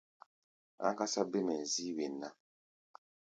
Áŋgásá bêm hɛ̧ɛ̧ zíí wen ná.